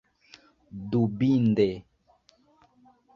Dubinde.